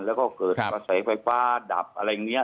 แล้วก็เกิดกระแสไฟฟ้าดับอะไรอย่างนี้